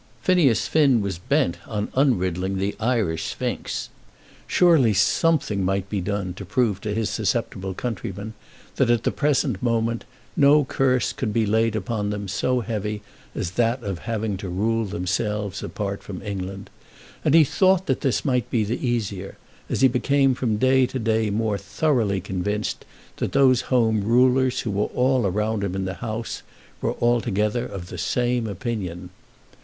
Phineas Finn was bent on unriddling the Irish sphinx. Surely something might be done to prove to his susceptible countrymen that at the present moment no curse could be laid upon them so heavy as that of having to rule themselves apart from England; and he thought that this might be the easier, as he became from day to day more thoroughly convinced that those Home Rulers who were all around him in the House were altogether of the same opinion.